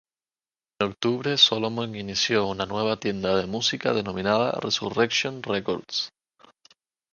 En octubre, Solomon inició una nueva tienda de música denominada Resurrection Records.